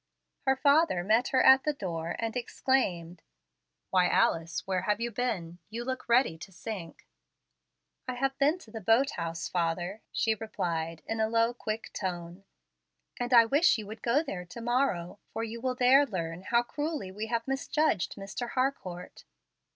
Her father met her at the door, and exclaimed, "Why, Alice, where have you been? You look ready to sink!" "I have been to the boat house, father," she replied, in a low, quick tone; "and I wish you would go there to morrow, for you will there learn how cruelly we have misjudged Mr. Harcourt."